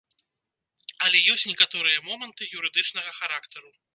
Але ёсць некаторыя моманты юрыдычнага характару.